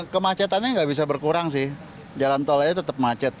kemacetannya nggak bisa berkurang sih jalan tolnya tetap macet